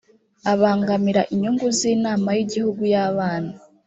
abangamira inyungu z inama y igihugu y’abana